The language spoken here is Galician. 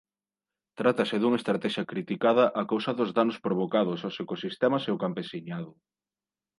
Trátase dunha estratexia criticada a causa dos danos provocados aos ecosistemas e ao campesiñado.